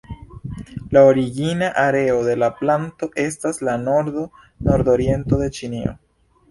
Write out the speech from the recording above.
La origina areo de la planto estas la nordo, nordoriento de Ĉinio.